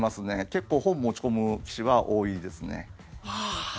結構、本持ち込む棋士は多いですね。